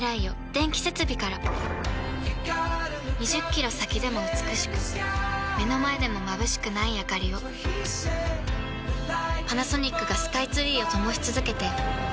２０キロ先でも美しく目の前でもまぶしくないあかりをパナソニックがスカイツリーを灯し続けて今年で１０年